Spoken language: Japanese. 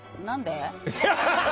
何で？